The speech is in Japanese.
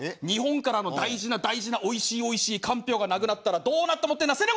日本からの大事な大事なおいしいおいしいかんぴょうがなくなったらどうなると思ってんだ？